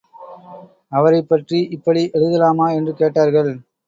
அவரைப் பற்றி இப்படி எழுதலாமா? என்று கேட்டார்கள்.